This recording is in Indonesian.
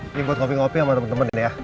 ini buat ngopi ngopi sama temen temen ini ya